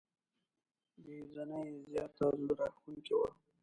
ګهیځنۍ یې زياته زړه راښکونکې وه.